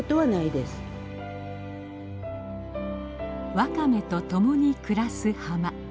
ワカメと共に暮らす浜。